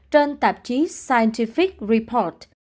trên tạp chí scientific report